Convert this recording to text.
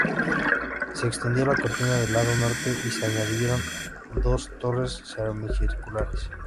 Se extendió la cortina del lado norte y se añadieron dos torres semicirculares.